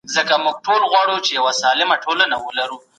بیړني قوانین څنګه منل کیږي؟